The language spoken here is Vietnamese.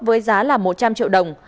với giá là một trăm linh triệu đồng